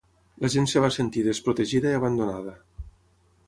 La gent es va sentir desprotegida i abandonada.